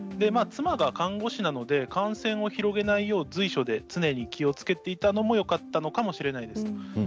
妻が看護師なので感染を広げないよう随所で常に気をつけていたのもよかったのかもしれないです。